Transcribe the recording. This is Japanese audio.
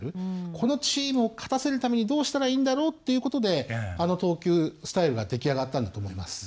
このチームを勝たせるためにどうしたらいいんだろうっていうことであの投球スタイルが出来上がったんだと思います。